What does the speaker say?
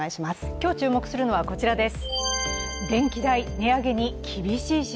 今日注目するのはこちらです。